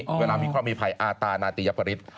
เวลามีข้อมีภัยอาตานาติยปริศ